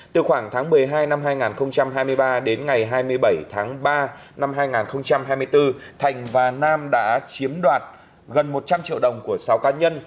từ khoảng tháng một mươi hai năm hai nghìn hai mươi ba đến ngày hai mươi bảy tháng ba năm hai nghìn hai mươi bốn thành và nam đã chiếm đoạt gần một trăm linh triệu đồng của sáu cá nhân